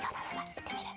いってみる？